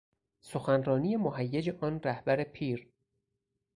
سخنرانی مهیج آن رهبر پیر